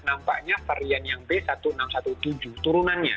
nampaknya varian yang b seribu enam ratus tujuh belas turunannya